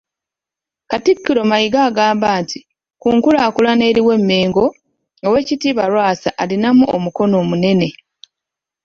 Katikkiro Mayiga agambye nti ku nkulaakulana eriwo e Mmengo, Oweekitiibwa Lwasa alinamu omukono munene .